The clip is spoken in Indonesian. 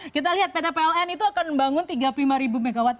kita lihat pt pln itu akan membangun tiga puluh lima mw